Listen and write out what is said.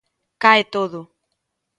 Cae todo.